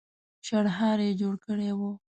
شړهار يې جوړ کړی و.